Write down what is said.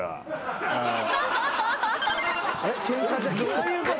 どういうこと？